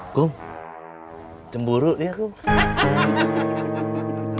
akung cemburu ya akung